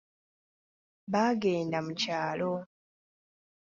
Baagenda mu kyalo.